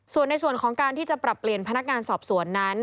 ส่วนในส่วนของการที่จะปรับเปลี่ยนพนักงานสอบสวนนั้น